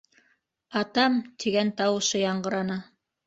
Атам! - тигән тауышы яңғыраны.